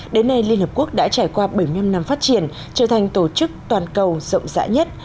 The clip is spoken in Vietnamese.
đến nay liên hợp quốc đã trải qua bảy mươi năm năm phát triển trở thành tổ chức toàn cầu rộng rãi nhất